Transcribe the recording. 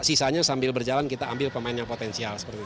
sisanya sambil berjalan kita ambil pemain yang potensial